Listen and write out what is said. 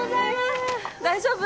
大丈夫？